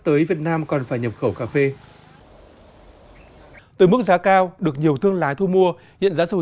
tới việt nam còn phải nhập khẩu cà phê từ mức giá cao được nhiều thương lái thu mua hiện giá sầu